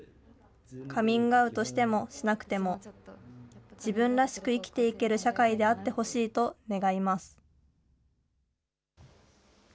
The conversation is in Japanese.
カミングアウトしてもしなくても、自分らしく生きていける社会であってほしいと願います。